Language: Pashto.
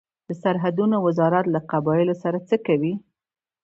د سرحدونو وزارت له قبایلو سره څه کوي؟